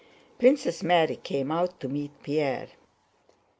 Princess Mary came out to meet Pierre.